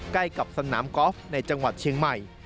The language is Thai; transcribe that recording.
ใกล้กับสนามกอล์ฟในจังหวัดเชียงใหม่